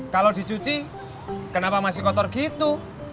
kalau dicuci kenapa masih kotor gitu